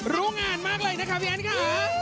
รู้งานมากเลยนะคะพี่แอนค่ะ